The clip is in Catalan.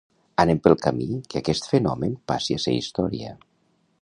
Anem pel camí que aquest fenomen passi a ser història.